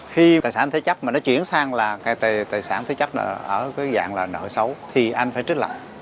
khi tài sản thế chấp mà nó chuyển sang là tài sản thế chấp ở dạng là nợ xấu thì anh phải trích lập